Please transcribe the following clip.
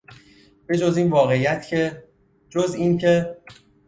به جز این واقعیت که...، جز این که...